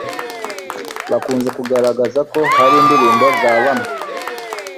bakunze kugaragaraza ko hari indirimbo za bamwe